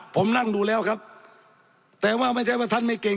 ผมนั่งดูแล้วครับแต่ว่าไม่ใช่ว่าท่านไม่เก่ง